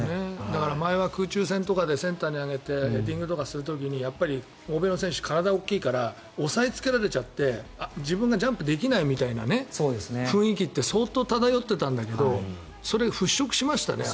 前は空中戦とかでセンターに上げてヘディングとかする時に欧米の選手は体が大きいから押さえつけられちゃって自分がジャンプできないみたいな雰囲気って相当、漂ってたんだけどそれ、払しょくしましたね